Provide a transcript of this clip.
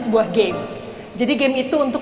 sebuah game jadi game itu untuk